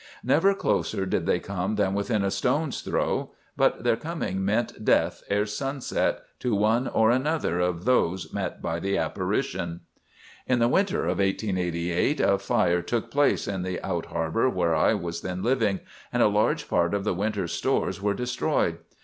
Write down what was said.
"Never closer did they come than within a stone's throw; but their coming meant death ere sunset to one or another of those met by the apparition. "In the winter of 1888 a fire took place in the out harbor where I was then living, and a large part of the winter's stores was destroyed.